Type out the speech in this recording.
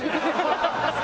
ハハハハ！